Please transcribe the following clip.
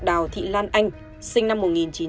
đào thị lan anh sinh năm một nghìn chín trăm tám mươi